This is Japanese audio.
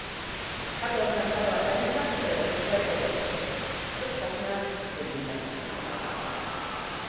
加藤さんからは大変感謝され、私は笑顔で一つ貸しなと言いました。